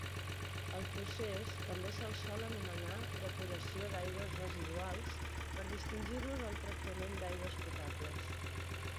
Al procés també se'l sol anomenar depuració d'aigües residuals per distingir-lo del tractament d'aigües potables.